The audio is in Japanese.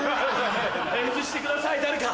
返事してください誰か！